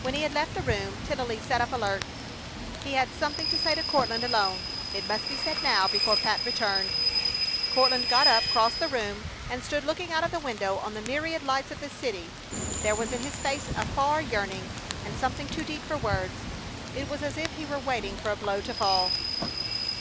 When he had left the room Tennelly sat up alertly. He had something to say to Courtland alone. It must be said now before Pat returned. Courtland got up, crossed the room, and stood looking out of the window on the myriad lights of the city. There was in his face a far yearning, and something too deep for words. It was as if he were waiting for a blow to fall.